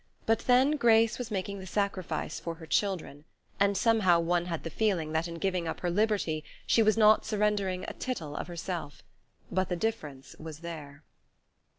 But then Grace was making the sacrifice for her children, and somehow one had the feeling that in giving up her liberty she was not surrendering a tittle of herself. All the difference was there....